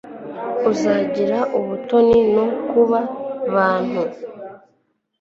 azagira ubutoni no ku bantu